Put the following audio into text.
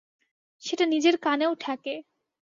সেটা নিজের কানেও ঠেকে।